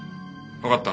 わかった。